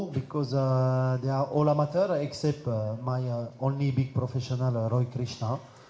dan saya ingin mengulangkan pada konsentrasi berikutnya